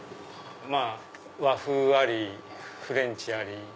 和風ありフレンチあり。